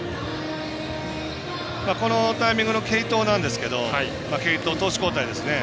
このタイミングの継投なんですけど投手交代ですね。